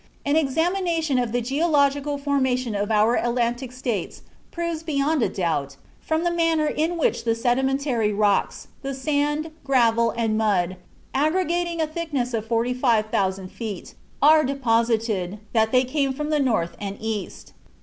An examination of the geological formation of our Atlantic States proves beyond a doubt, from the manner in which the sedimentary rocks, the sand, gravel, and mud aggregating a thickness of 45,000 feet are deposited, that they came from the north and east.